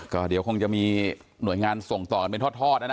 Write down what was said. ก็เดี๋ยวคงจะมีหน่วยงานส่งต่อกันเป็นทอดนะนะ